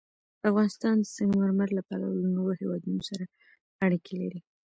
افغانستان د سنگ مرمر له پلوه له نورو هېوادونو سره اړیکې لري.